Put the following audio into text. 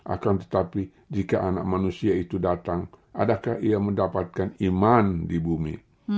akan tetapi jika anak manusia itu datang adakah ia mendapatkan iman di bumi